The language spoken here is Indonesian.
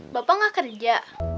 bapak nggak kerja